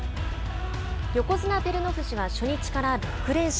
横綱・照ノ富士は初日から６連勝。